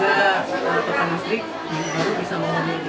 mereka dapat juga untuk listrik jadi bisa menghuni